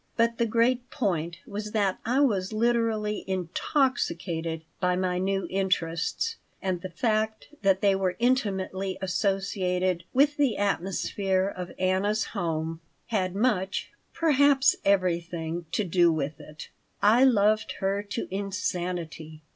But the great point was that I was literally intoxicated by my new interests, and the fact that they were intimately associated with the atmosphere of Anna's home had much perhaps everything to do with it I loved her to insanity.